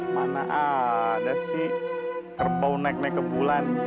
mana ada sih kerbau naik naik ke bulan